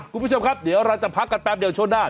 คุณผู้ชมครับเดี๋ยวเราจะพักกันแป๊บเดียวช่วงหน้า